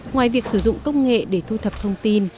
ngoài việc sử dụng công nghệ để thu thập thông tin